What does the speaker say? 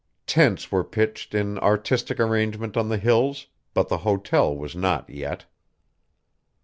Tents were pitched in artistic arrangement on the Hills, but the hotel was not yet.